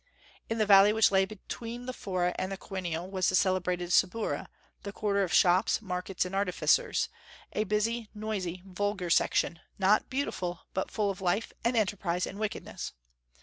In the valley which lay between the fora and the Quirinal was the celebrated Subura, the quarter of shops, markets, and artificers, a busy, noisy, vulgar section, not beautiful, but full of life and enterprise and wickedness.